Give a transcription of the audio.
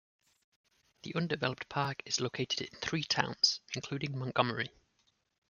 The undeveloped park is located in three towns, including Montgomery.